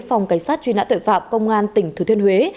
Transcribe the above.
phòng cảnh sát truy nãn tội phạm công an tỉnh thủy thiên huế